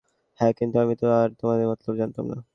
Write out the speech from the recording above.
হ্যাঁ, কিন্তু আমি তো আর তোমাদের মতলব জানতাম না।